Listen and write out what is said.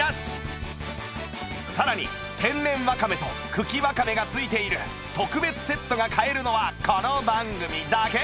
さらに天然わかめと茎わかめが付いている特別セットが買えるのはこの番組だけ！